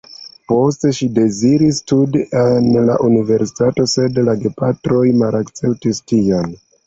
Poste ŝi deziris studi en la universitato, sed la gepatroj malakceptis tion.